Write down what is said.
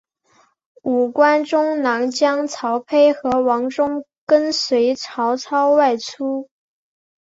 五官中郎将曹丕和王忠跟随曹操外出。